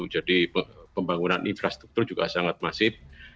jadi pembangunan infrastruktur juga sangat masif